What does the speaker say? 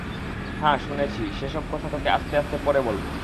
হাঁ শুনেছি, সে-সব কথা তোকে আস্তে আস্তে পরে বলব।